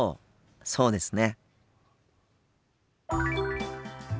そうですね。